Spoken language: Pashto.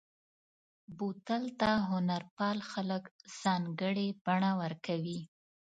بوتل ته هنرپال خلک ځانګړې بڼه ورکوي.